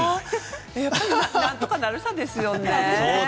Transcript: やっぱり、何とかなるさですね。